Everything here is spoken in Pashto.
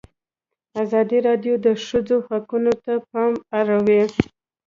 ازادي راډیو د د ښځو حقونه ته پام اړولی.